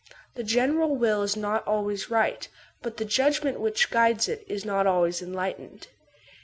The general will is always right, but the judgment which guides it is not always enlightened.